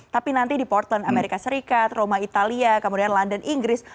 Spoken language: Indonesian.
tapi nanti di portland amerika serikat roma italia kemudian london inggris